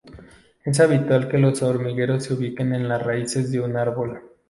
Es habitual que los hormigueros se ubiquen en las raíces de un árbol.